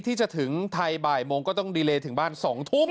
ที่จะถึงไทยบ่ายโมงก็ต้องดีเลถึงบ้าน๒ทุ่ม